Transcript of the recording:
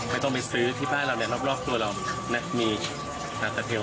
ไม่ต้องไปซื้อที่บ้านเราเนี่ยรอบตัวเราเนี่ยมีนาธิเทล